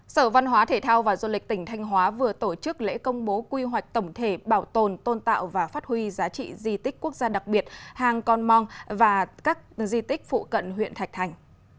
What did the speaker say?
sở văn hóa thể thao và du lịch tỉnh thanh hóa vừa tổ chức lễ công bố quy hoạch tổng thể bảo tồn tôn tạo và phát huy giá trị di tích quốc gia đặc biệt hàng con mong và các di tích phụ cận huyện thạch thành